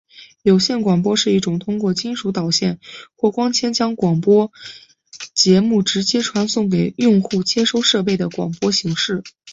有线广播是一种通过金属导线或光纤将广播节目直接传送给用户接收设备的广播形式。